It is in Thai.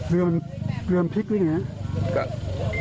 เรือมพลิกหรืออย่างนี้